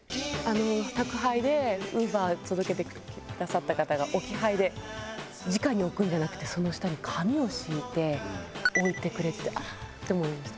宅配でＵｂｅｒ届けてくださった方が置き配でじかに置くんじゃなくてその下に紙を敷いて置いてくれてて「ああ！」って思いました。